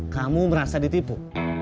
kamu merasa ditipu